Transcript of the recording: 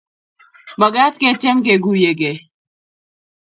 Magat ketiem kekuiyekei